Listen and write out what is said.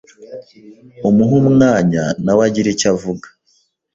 umuhe umwanya nawe agire icyo avuga